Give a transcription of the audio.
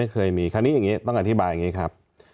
คำนี้ต้องการอธิบายอย่างนี้ครับ